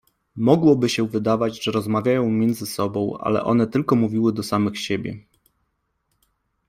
Mogłoby się wydawać, że rozmawiają między sobą, ale one tylko mówiły do samych siebie.